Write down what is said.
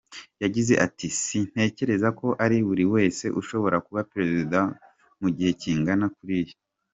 Yagize ati “ Sintekereza ko ari buri wese ushobora kuba Perezida mu gihe kingana kuriya.